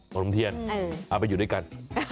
ขนมเทียนเอาไปอยู่ด้วยกัน